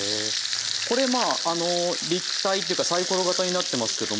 これまあ立体というかさいころ形になってますけども。